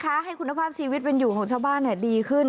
ให้คุณภาพชีวิตเป็นอยู่ของชาวบ้านดีขึ้น